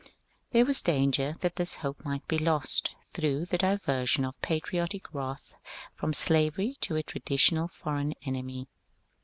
There was danger that this hope might be lost through the diversion of patriotic wrath from slavery to a traditional foreign enemy.